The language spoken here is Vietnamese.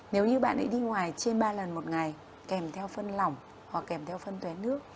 nếu như bạn ấy đi ngoài trên ba lần một ngày kèm theo phân lỏng hoặc kèm theo phân tuyến nước